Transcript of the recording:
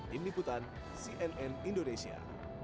tim liputan cnn indonesia